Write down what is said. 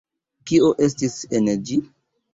Kio estis en ĝi?